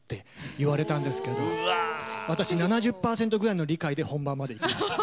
言われたんですけど私７０％ぐらいの理解で本番までいきました。